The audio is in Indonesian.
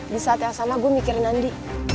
di saat yang sama gue mikirin andi